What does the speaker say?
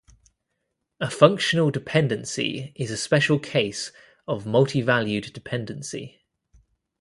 A functional dependency is a special case of multivalued dependency.